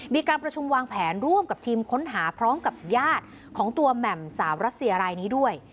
มีการประชุมวางแผนร่วมกับทีมค้นหาพร้อมกับญาติของตัวแหม่มสาวรัสเซียรายนี้ด้วย